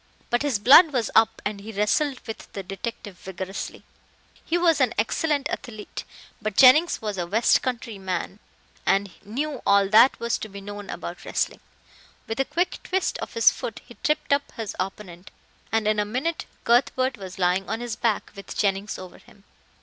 But his blood was up and he wrestled with the detective vigorously. He was an excellent athlete, but Jennings was a west country man and knew all that was to be known about wrestling. With a quick twist of his foot he tripped up his opponent, and in a minute Cuthbert was lying on his back with Jennings over him.